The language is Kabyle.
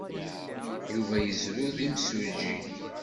Yuba yezrew d imsujji.